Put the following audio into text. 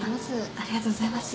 ありがとうございます。